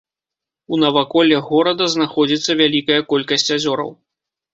У наваколлях горада знаходзіцца вялікая колькасць азёраў.